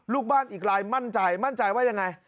ลูกบ้านอีกลายมั่นใจมั่นใจว่ายังไง